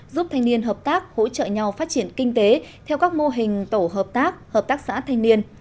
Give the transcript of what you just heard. giúp thanh niên hợp tác hỗ trợ nhau phát triển kinh tế theo các mô hình tổ hợp tác hợp tác xã thanh niên